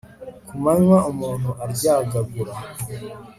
ku manywa umuntu aryagagura